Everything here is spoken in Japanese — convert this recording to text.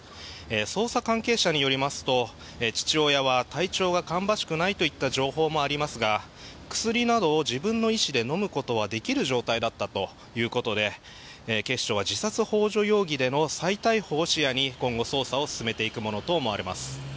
捜査関係者によりますと父親は体調が芳しくないといった情報もありますが薬などを自分の意思で飲むことはできる状態だったということで警視庁は自殺ほう助容疑での再逮捕を視野に今後、捜査を進めていくものと思われます。